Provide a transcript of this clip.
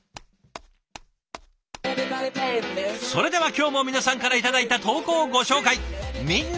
それでは今日も皆さんから頂いた投稿をご紹介ん？